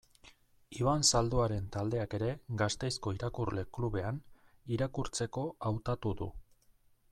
Iban Zalduaren taldeak ere, Gasteizko Irakurle Klubean, irakurtzeko hautatu du.